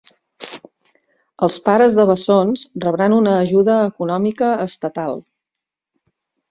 Els pares de bessons rebran una ajuda econòmica estatal.